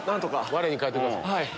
われに返ってください。